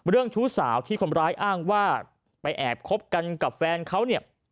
ชู้สาวที่คนร้ายอ้างว่าไปแอบคบกันกับแฟนเขาเนี่ย